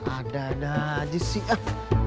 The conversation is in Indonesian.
ada ada aja sih